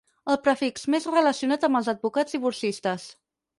El prefix més relacionat amb els advocats divorcistes.